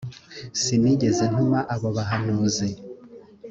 sinigeze ntuma abo bahanuzi